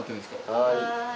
はい。